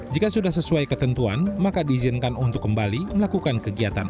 jika sudah sesuai ketentuan maka diizinkan untuk kembali melakukan kegiatan